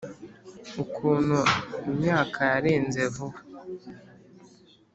ukuntu imyaka yarenze vuba